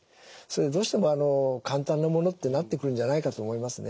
どうしても簡単なものってなってくるんじゃないかと思いますね。